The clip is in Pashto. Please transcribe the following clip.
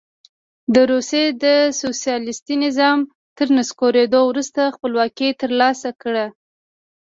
د روسیې د سوسیالیستي نظام تر نسکورېدو وروسته خپلواکي ترلاسه کړه.